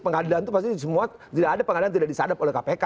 pengadilan itu pasti semua tidak ada pengadilan tidak disadap oleh kpk